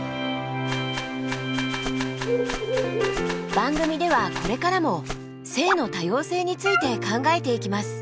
番組ではこれからも性の多様性について考えていきます。